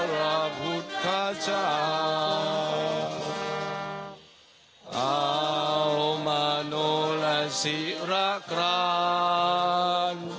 นกพระภูมิบาลบุญญาติเรเอกรมจากกลิ่นพระสยามินพระโยชน์ไสยิงโยง